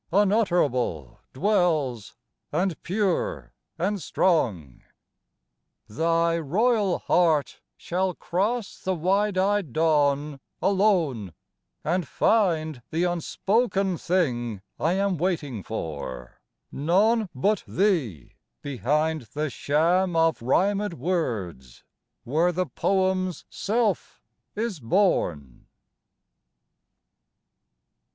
Unutterable dwells, and pure and strong, i Thy royal heart shall cross the wide eyed dawn Alone, and find the unspoken thing I am Waiting for none but thee behind the sham Of rhymed words where the poem's self is born.